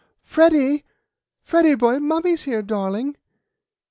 "Freddy! Freddy boy! Mummy's here, darling!"